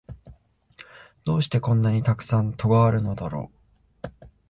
どうしてこんなにたくさん戸があるのだろう